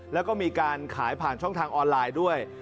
แล้วก็มีการขายผ่านช่องทางออนไลน์ด้วย